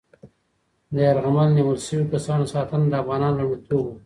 د یرغمل نیول شوي کسانو ساتنه د افغانانو لومړیتوب و.